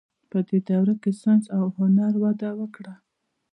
په دې دوره کې ساینس او هنر وده وکړه.